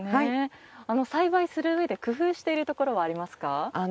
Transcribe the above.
栽培するうえで工夫しているところはありますか？